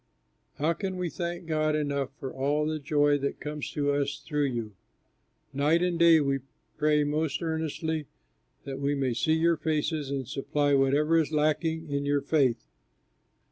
How can we thank God enough for all the joy that comes to us through you? Night and day we pray most earnestly that we may see your faces and supply whatever is lacking in your faith.